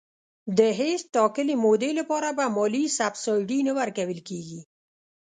د هیڅ ټاکلي مودې لپاره به مالي سبسایډي نه ورکول کېږي.